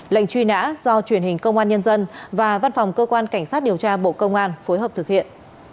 lệnh truy nã do truyền hình công an nhân dân và văn phòng cơ quan cảnh sát điều tra bộ công an phối hợp thực hiện